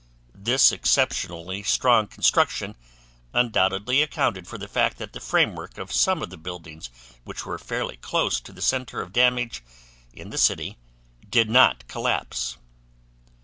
This exceptionally strong construction undoubtedly accounted for the fact that the framework of some of the buildings which were fairly close to the center of damage in the city did not collapse.